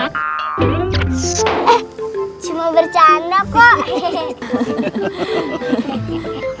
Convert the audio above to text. eh cuma bercanda kok